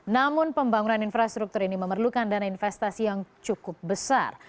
namun pembangunan infrastruktur ini memerlukan dana investasi yang cukup besar